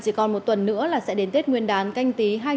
chỉ còn một tuần nữa là sẽ đến tết nguyên đán canh tí hai nghìn hai mươi